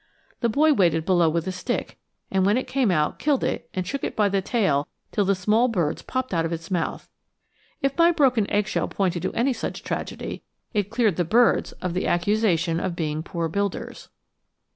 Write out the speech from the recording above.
The boy waited below with a stick, and when it came out, killed it and shook it by the tail till the small birds popped out of its mouth. If my broken eggshell pointed to any such tragedy, it cleared the birds of the accusation of being poor builders.